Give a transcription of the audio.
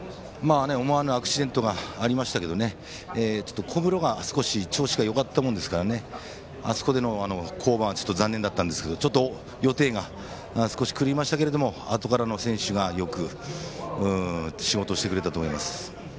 思わぬアクシデントがありましたけど小室が調子がよかったものですからあそこでの降板は残念だったんですけれどちょっと予定が少し狂いましたがあとからの選手がよく仕事をしてくれたと思います。